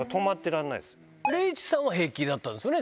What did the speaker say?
礼二さんは平気だったんですよね？